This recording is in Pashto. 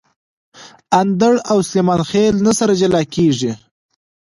اندړ او سلیمان خېل نه سره جلاکیږي